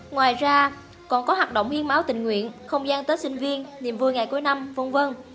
ngoài ra còn có hoạt động hiến máu tình nguyện không gian tết sinh viên niềm vui ngày cuối năm v v